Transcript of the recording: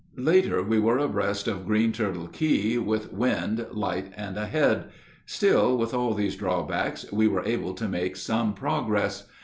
Later we were abreast of Green Turtle Key, with wind light and ahead; still, with all these drawbacks, we were able to make some progress.